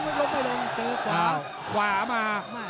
หรือว่าผู้สุดท้ายมีสิงคลอยวิทยาหมูสะพานใหม่